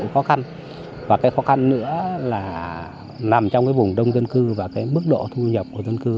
khó khăn và cái khó khăn nữa là nằm trong cái vùng đông dân cư và cái mức độ thu nhập của dân cư